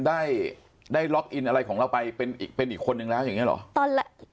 ได้ได้ล็อกอินอะไรของเราไปเป็นอีกเป็นอีกคนนึงแล้วอย่างเงี้เหรอตอนแรก